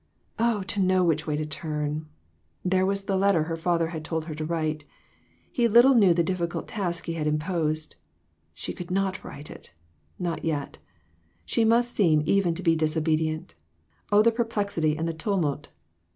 Oh, to know which way to turn ! There was the letter her father had told her to write. He little knew the difficult task he had imposed. She could not write it ! Not yet. She must seem even to be disobedient. Oh, the perplexity and the tumult